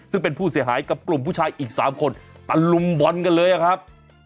ซึ่งเป็นผู้เสียหายกับกลุ่มผู้ชายอีก๓คนตะลุมบอลกันเลยอะครับ